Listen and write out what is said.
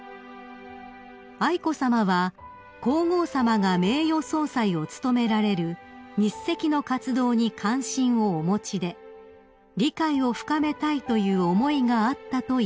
［愛子さまは皇后さまが名誉総裁を務められる日赤の活動に関心をお持ちで理解を深めたいという思いがあったといいます］